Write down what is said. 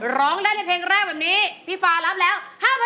หลองได้ในคนแรกแบบนี้ครับบีฟ้ารับแล้ว๕๐๐๐บาท